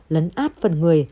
lấn át phần người